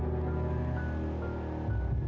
itu aku rester yang keras